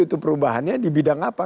itu perubahannya di bidang apa